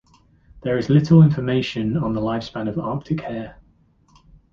There is little information on the lifespan of Arctic hare.